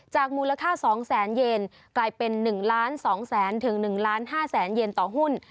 จากมูลค่า๒๐๐๐๐๐เยนกลายเป็น๑๒๐๐๐๐๐๑๕๐๐๐๐๐เยนต่อหุ้น